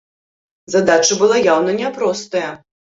Задача была яўна не простая.